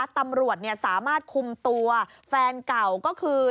ตำรวจสามารถคุมตัวแฟนเก่าก็คือ